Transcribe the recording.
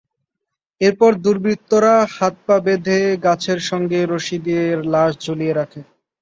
এরপর দুর্বৃত্তরা হাত-পা বেঁধে গাছের সঙ্গে রশি দিয়ে লাশ ঝুলিয়ে রাখে।